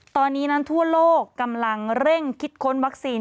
ตอนนี้นั้นทั่วโลกกำลังเร่งคิดค้นวัคซีน